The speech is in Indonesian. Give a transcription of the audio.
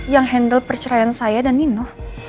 yang handle perceraian saya dan nino